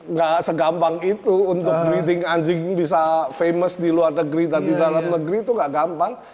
nggak segampang itu untuk breeding anjing bisa famis di luar negeri tapi dalam negeri itu nggak gampang